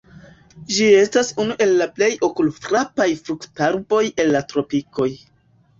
Ĝi estas unu el la plej okulfrapaj fruktarboj el la tropikoj.